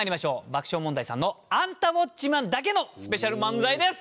爆笑問題さんの『アンタウォッチマン！』だけのスペシャル漫才です。